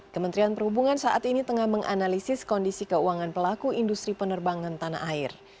kementerian perhubungan saat ini tengah menganalisis kondisi keuangan pelaku industri penerbangan tanah air